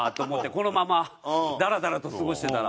このままダラダラと過ごしてたら。